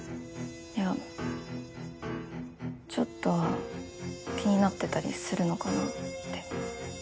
やちょっとは気になってたりするのかなって。